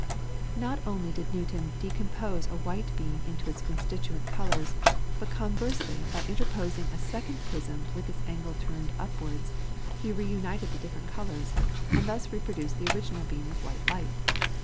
] Not only did Newton decompose a white beam into its constituent colours, but conversely by interposing a second prism with its angle turned upwards, he reunited the different colours, and thus reproduced the original beam of white light.